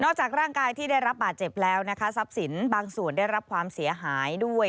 จากร่างกายที่ได้รับบาดเจ็บแล้วนะคะทรัพย์สินบางส่วนได้รับความเสียหายด้วย